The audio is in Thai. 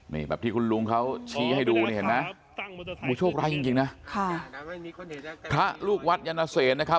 นี่แบบที่คุณลุงเขาชี้ให้ดูเห็นนะหมู่โชครัยจริงนะครับลูกวัดยันเตศนะครับ